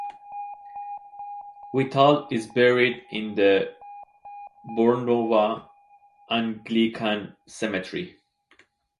Whittall is buried in the Bornova Anglican Cemetery.